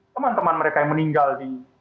teman teman mereka yang meninggal di